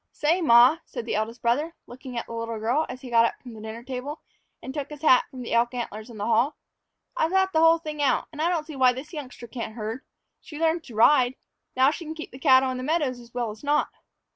"Say, ma," said the eldest brother, looking at the little girl as he got up from the dinner table and took his hat from the elk antlers in the hall, "I've thought the whole thing out, and I don't see why this youngster can't herd. She learned to ride; now she can keep them cattle in the meadows as well as not."